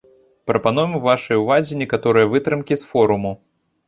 Прапануем вашай увазе некаторыя вытрымкі з форуму.